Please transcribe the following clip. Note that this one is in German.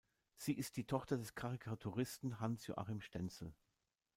Sie ist die Tochter des Karikaturisten Hans Joachim Stenzel.